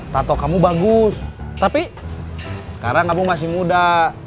tato kamu bagus tapi sekarang kamu masih muda